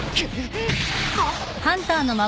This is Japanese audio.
あっ！